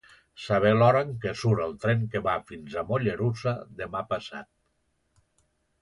Saber l'hora en què surt el tren que va fins a Mollerussa demà passat.